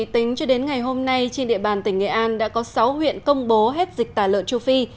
tính cho đến ngày hôm nay trên địa bàn tỉnh nghệ an đã có sáu huyện công bố hết dịch tả lợn châu phi